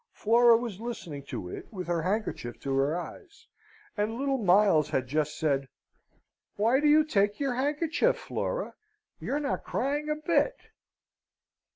Flora was listening to it with her handkerchief to her eyes, and little Miles had just said "Why do you take your handkerchief, Flora? You're not crying a bit."